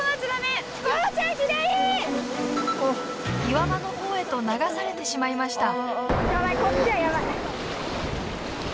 岩場の方へと流されてしまいました。